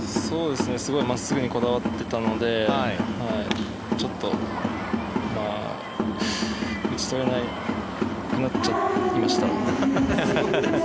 すごい真っすぐにこだわってたのでちょっと打ち取れなくなっちゃいました。